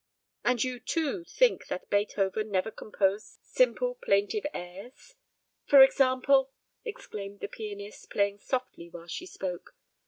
"And you, too, think that Beethoven never composed simple plaintive airs for example," exclaimed the pianist, playing softly while she spoke.